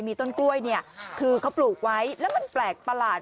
มีสต้นกล้วยคือเค้าปลูกไว้แล้วมันแปลกปล่าด